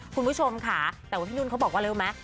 คุณผู้ชมค่ะแต่พี่นุ่นเค้าบอกว่าเร็วไหม